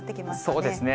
そうですね。